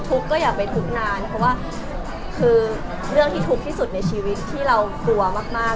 อย่าไปทุกข์นานเพราะว่าคือเรื่องที่ทุกข์ที่สุดในชีวิตที่เรากลัวมาก